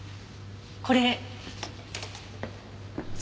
これ。